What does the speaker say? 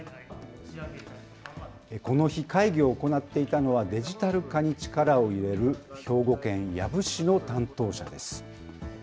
この日、会議を行っていたのはデジタル化に力を入れる、兵庫県養父市の担当者です。